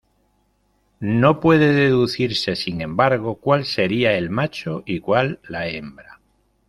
No puede deducirse sin embargo, cual sería el macho y cual la hembra.